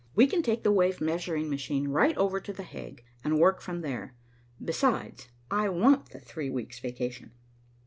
We can take the wave measuring machine right over to The Hague, and work from there. Besides, I want the three weeks' vacation."